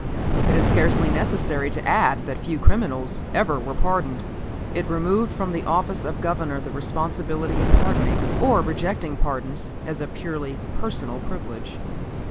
It is scarcely necessary to add that few criminals ever were pardoned. It removed from the office of Governor the responsibility of pardoning, or rejecting pardons as a purely personal privilege.